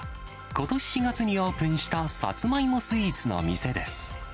ことし４月にオープンしたさつまいもスイーツの店です。